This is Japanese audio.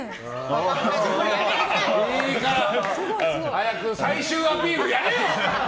早く最終アピールやれよ！